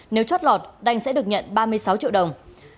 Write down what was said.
nếu chót lọt đành sẽ được nhận ba mươi sáu triệu đồng